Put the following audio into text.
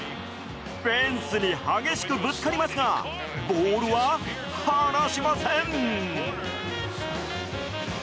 フェンスに激しくぶつかりますがボールは離しません！